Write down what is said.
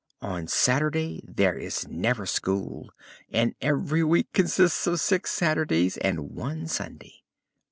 On Saturday there is never school, and every week consists of six Saturdays and one Sunday.